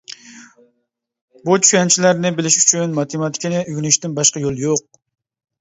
بۇ چۈشەنچىلەرنى بىلىش ئۈچۈن ماتېماتىكىنى ئۆگىنىشتىن باشقا يول يوق.